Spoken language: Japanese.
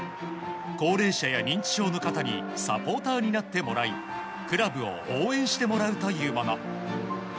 高齢者や認知症の方にサポーターになってもらいクラブを応援してもらうというもの。